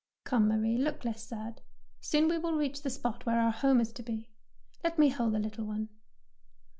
''Come, Marie, look less sad; soon will we reach the spot where our home is to be. Let me hold the little one.